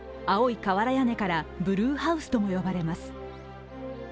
青い瓦屋根からブルーハウスとも呼ばれます。